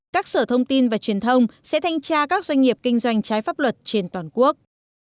các sở thông tin và truyền thông sẽ thanh tra các doanh nghiệp kinh doanh trái pháp luật trên toàn quốc